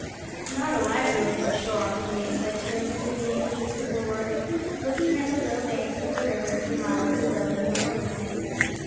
"Not a lively looking shore," the mate said to him as he leaned against the bulwark, looking at the low banks of the river a few miles below New Orleans.